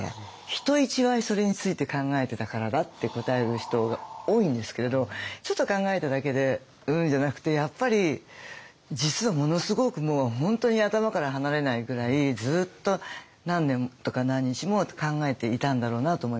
人一倍それについて考えてたからだ」って答える人が多いんですけれどちょっと考えただけで「うん」じゃなくてやっぱり実はものすごく本当に頭から離れないぐらいずっと何年とか何日も考えていたんだろうなと思います。